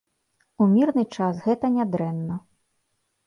У мірны час гэта нядрэнна.